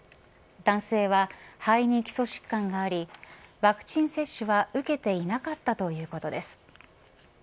男性は、肺に基礎疾患がありワクチン接種は受けていなかったということです。